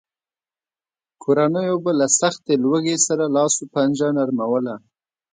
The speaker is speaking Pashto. کورنیو به له سختې لوږې سره لاس و پنجه نرموله.